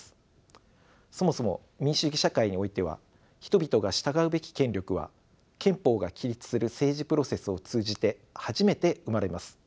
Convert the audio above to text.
そもそも民主主義社会においては人々が従うべき権力は憲法が規律する政治プロセスを通じて初めて生まれます。